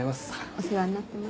お世話になってます。